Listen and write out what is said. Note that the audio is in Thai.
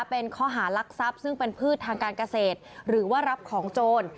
เป็นข้อหารักทรัพย์ซึ่งเป็นพืชทางการเกษตรหรือว่ารับของโจร